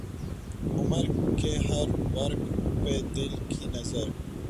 عمر کے ہر ورق پہ دل کی نظر